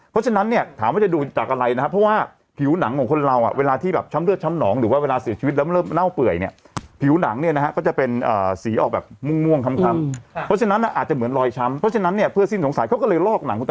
เพื่อให้ดูเนื้อข้างในว่ามีมีรอยชำหรือเปล่า